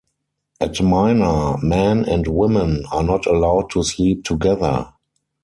At Mina, men and women are not allowed to sleep together.